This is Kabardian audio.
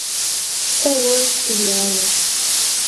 Сэ уэ сурианэщ!